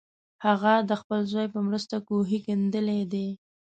هغه د خپل زوی په مرسته کوهی کیندلی دی.